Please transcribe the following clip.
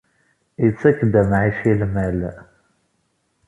Ittak-d amɛic i lmal.